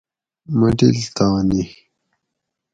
مٹلتانی